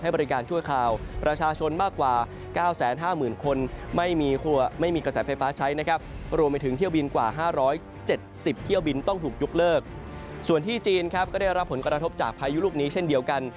ภาชัยนะครับรวมถึงเที่ยวบินกว่า๕๗๐เที่ยวบินต้องถูกยุกเลิกส่วนที่จีนครับก็ได้รับผลกระทบจากพายุลูกนี้เช่นเดียวกัน